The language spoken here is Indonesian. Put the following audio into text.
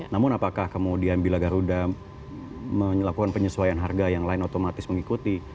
namun apakah kemudian bila garuda melakukan penyesuaian harga yang lain otomatis mengikuti